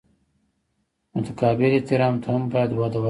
متقابل احترام ته هم باید وده ورکړل شي.